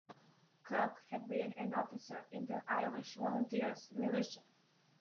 Cooke had been an officer in the Irish Volunteers militia.